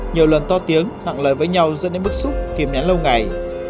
nhiều lần to tiếng nặng lời với nhau dẫn đến bức xúc kìm nén lâu ngày